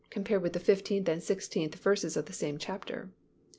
compared with the fifteenth and sixteenth verses of the same chapter.